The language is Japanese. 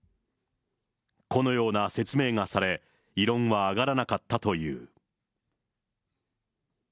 このような説明がされ、異論は上がらなかったという。